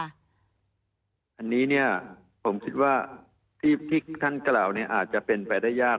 อันนี้ผมคิดว่าที่ท่านกล่าวอาจจะเป็นไปได้ยาก